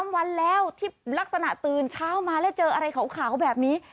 ๓วันแล้วที่ลักษณะตื่นเช้ามาแล้วเจออะไรขาวแบบนี้